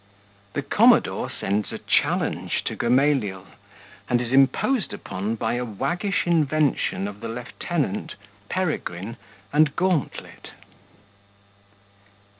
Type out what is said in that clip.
The Commodore sends a Challenge to Gamaliel, and is imposed upon by a waggish invention of the Lieutenant, Peregrine, and Gauntlet.